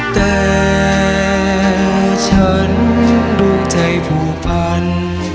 แต่ฉันลูกใจผู้พัน